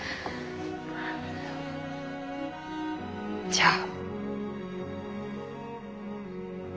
じゃあ。